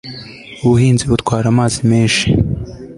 Ubuhinzi butwara amazi menshi